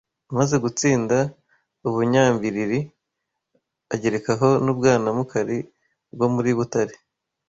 Amaze gutsinda u Bunyamblili agerekaho n’u Bwanamukari bwo muri Butare